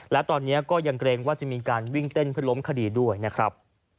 และตอนนี้ก็ยังเกรงว่าจะมีการวิ่งเต้นเพื่อล้มคดีด้วยนะครับ